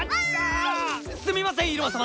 すみませんイルマ様！